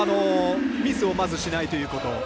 ミスをまずしないということ。